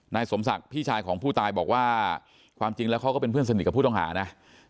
สมศักดิ์พี่ชายของผู้ตายบอกว่าความจริงแล้วเขาก็เป็นเพื่อนสนิทกับผู้ต้องหานะ